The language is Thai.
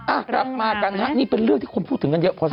อ่ะกลับมากันฮะนี่เป็นเรื่องที่คนพูดถึงกันเยอะพอส